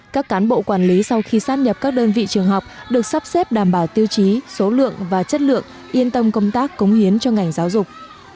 các cán bộ quản lý sau khi sát nhập các đơn vị trường học được sắp xếp đảm bảo tiêu chí số lượng và chất lượng yên tâm công tác cống hiến cho ngành giáo dục